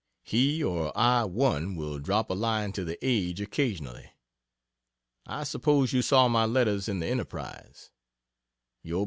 He or I, one will drop a line to the "Age" occasionally. I suppose you saw my letters in the "Enterprise." Yr.